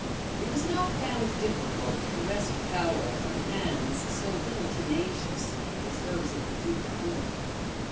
{1456.} It was not found difficult to wrest power from hands so little tenacious as those of the duke of York.